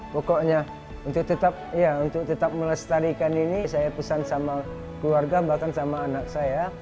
pokoknya untuk tetap melestarikan ini saya pesan sama keluarga bahkan sama anak saya